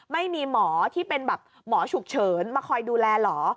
ไม่มีหมอที่เป็นแบบหมอฉุกเฉินมาคอยดูแลเหรอ